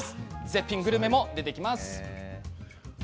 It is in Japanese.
絶品グルメも出てきます。